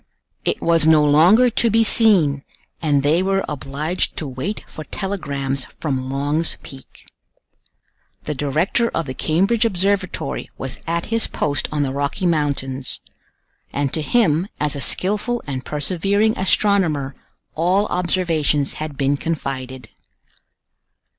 It was no longer to be seen, and they were obliged to wait for telegrams from Long's Peak. The director of the Cambridge Observatory was at his post on the Rocky Mountains; and to him, as a skillful and persevering astronomer, all observations had been confided.